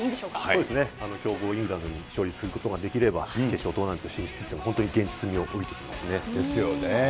そうですね、強豪イングランドに勝つことができれば、決勝トーナメントが一気に現実味を帯びですよね。